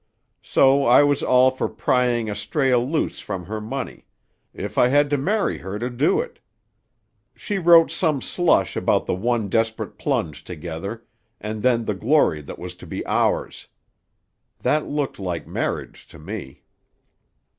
So I was all for prying Astræa loose from her money, if I had to marry her to do it. She wrote some slush about the one desperate plunge together and then the glory that was to be ours. That looked like marriage to me.